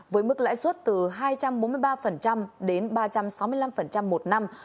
với mức lãi suất từ hai trăm bốn mươi ba đến ba trăm sáu mươi năm một năm